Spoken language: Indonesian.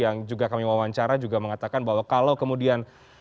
yang juga kami wawancara juga mengatakan bahwa kalau kemudian